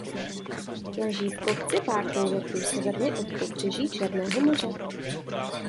Leží v kopci pár kilometrů severně od pobřeží Černého moře.